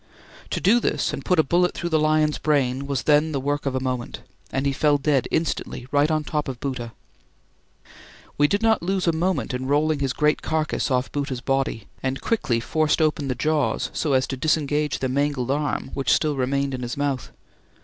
To do this and put a bullet through the lion's brain was then the work of a moment; and he fell dead instantly right on the top of Bhoota. We did not lose a moment in rolling his great carcase off Bhoota's body and quickly forced opening the jaws so as to disengage the mangled arm which still remained in his mouth.